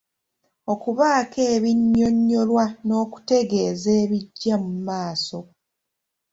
Okubaako ebinnyonnyolwa n’okutegeeza ebijja mu maaso.